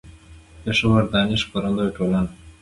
. پېښور: دانش خپرندويه ټولنه